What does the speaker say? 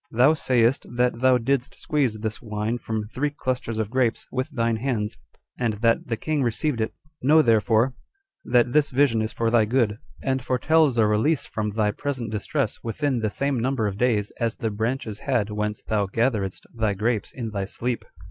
"Thou sayest that thou didst squeeze this wine from three clusters of grapes with thine hands, and that the king received it: know, therefore, that this vision is for thy good, and foretells a release from thy present distress within the same number of days as the branches had whence thou gatheredst thy grapes in thy sleep.